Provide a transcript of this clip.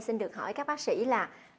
xin được hỏi các bác sĩ là